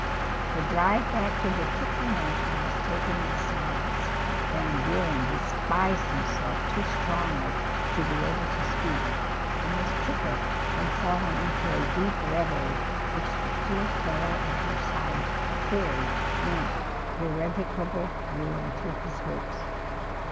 The drive back to the Tooker mansion was taken in silence. Van Buren despised himself too strongly to be able to speak, and Miss Tooker had fallen into a deep reverie which the poor fellow at her side feared meant irrevocable ruin to his hopes.